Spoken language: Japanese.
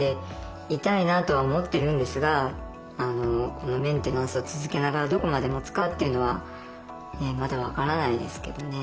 このメンテナンスを続けながらどこまでもつかっていうのはまだ分からないですけどね。